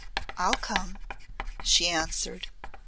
"I'll come," she answered.